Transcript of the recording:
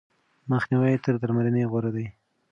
مخنیوی تر درملنې غوره دی.